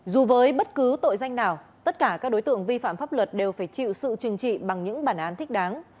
dù với bất cứ tội danh nào tất cả các đối tượng vi phạm pháp luật đều phải chịu sự trừng trị bằng những bản án thích đáng